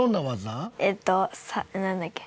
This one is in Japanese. えっとなんだっけ？